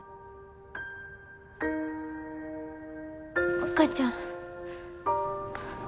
お母ちゃん。